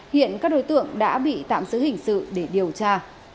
hiện các đối tượng đã bị tạm giữ hình sự để điều tra